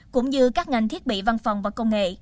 cũng như các ngành thiết bị văn phòng và công nghệ